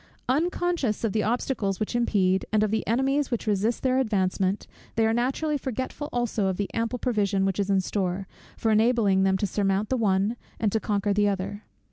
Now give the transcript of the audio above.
Unconscious of the obstacles which impede, and of the enemies which resist their advancement; they are naturally forgetful also of the ample provision which is in store, for enabling them to surmount the one, and to conquer the other.